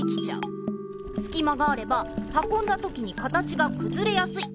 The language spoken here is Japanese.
すき間があればはこんだときに形がくずれやすい。